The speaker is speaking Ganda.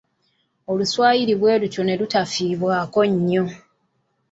Oluswayiri bwe lutyo ne lutafiibwako nnyo.